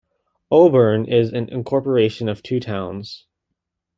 Auburn is an incorporation of two towns.